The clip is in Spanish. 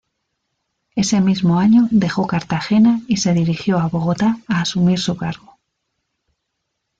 Ese mismo año dejó Cartagena y se dirigió a Bogotá a asumir su cargo.